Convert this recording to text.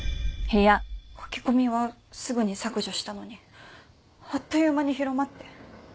書き込みはすぐに削除したのにあっという間に広まって。